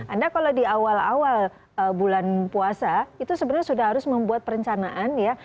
anda kalau di awal awal bulan puasa itu sebenarnya sudah harus membuat perencanaan ya